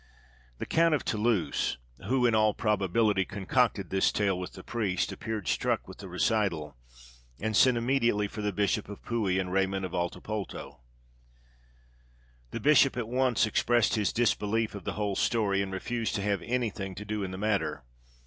The Count of Toulouse, who, in all probability, concocted this tale with the priest, appeared struck with the recital, and sent immediately for the Bishop of Puy and Raymond of Altapulto. The bishop at once expressed his disbelief of the whole story, and refused to have any thing to do in the matter.